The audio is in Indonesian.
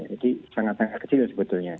ini sangatnya kecil sebetulnya